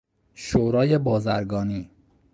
شورای بازرگانی